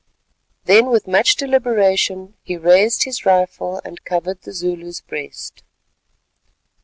Then with much deliberation he raised his rifle and covered the Zulu's breast.